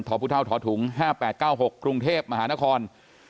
ธอปุรุธาท้อถุงห้าแปดเก้าหกกรุงเทพมหานคร